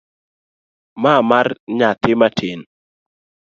Ma mar nyathi matin.